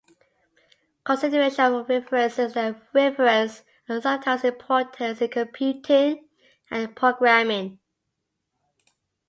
Considerations of references and their referents are sometimes of importance in computing and programming.